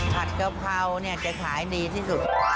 ผัดกะเพราจะขายดีที่สุด